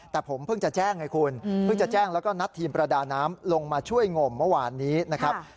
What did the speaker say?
แต่ผมเพิ่งจะแจ้งไงคุณเพิ่งจะแจ้งแล้วก็นัดทีมประดาน้ำลงมาช่วยงมเมื่อวานนี้นะครับ